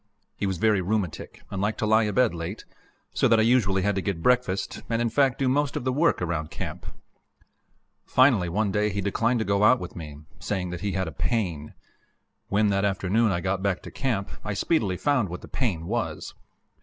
He was very rheumatic and liked to lie abed late, so that I usually had to get breakfast, and, in fact, do most of the work around camp. Finally one day he declined to go out with me, saying that he had a pain. When, that afternoon, I got back to camp, I speedily found what the "pain" was.